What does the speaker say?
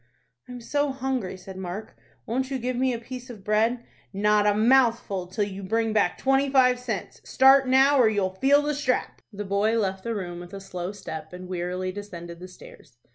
"I'm so hungry," said Mark; "won't you give me a piece of bread?" "Not a mouthful till you bring back twenty five cents. Start now, or you'll feel the strap." The boy left the room with a slow step, and wearily descended the stairs.